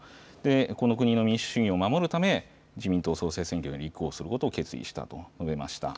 この国の民主主義を守るため、自民党総裁選挙に立候補することを決意したと述べました。